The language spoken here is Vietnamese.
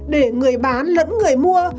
để người bán lẫn người mua